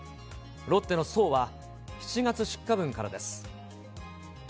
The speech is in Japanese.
ロッテの爽は、７月出荷分からです。